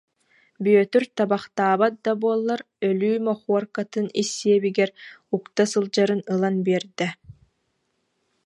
Бүөтүр табахтаабат да буоллар өлүү мохуоркатын ис сиэбигэр укта сылдьарын ылан биэрдэ